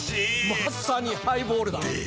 まさにハイボールだでっしょ？